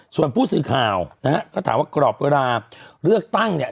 ส่วนผู้สื่อข่าวนะฮะก็ถามว่ากรอบเวลาเลือกตั้งเนี่ย